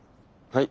はい？